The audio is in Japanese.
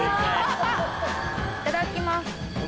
いただきます。